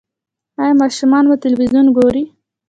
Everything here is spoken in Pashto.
ایا ماشومان مو تلویزیون ګوري؟